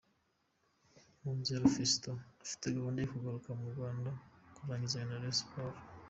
Munzero Fiston afite gahunda yo kugaruka mu Rwanda kurangizanya na Rayon Sports.